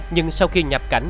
nhưng sau khi nhập cảnh